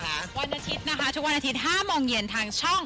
วันอาทิตย์นะคะทุกวันอาทิตย์๕โมงเย็นทางช่อง